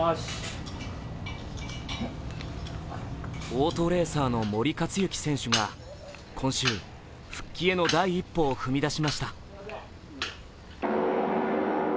オートレーサーの森且行選手が今週、復帰への第一歩を踏み出しました。